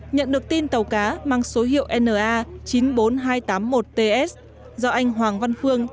nhận được tin tàu cá mang số hiệu na chín mươi bốn nghìn hai trăm tám mươi một ts do anh hoàng văn phương